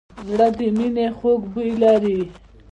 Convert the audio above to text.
زړه د مینې خوږ بوی لري.